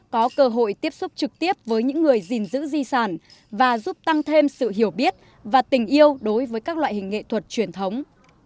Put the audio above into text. có cơ hội tiếp xúc trực tiếp với những người gìn giữ di sản và giúp tăng thêm sự hiểu biết và tình yêu đối với các loại hình nghệ thuật truyền thống